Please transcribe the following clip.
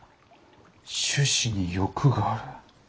種子に翼がある。